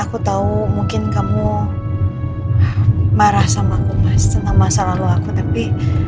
aku tahu mungkin kamu marah sama aku mas tengah masa lalu aku tapi